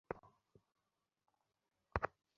আঘাত কতটা গুরুতর?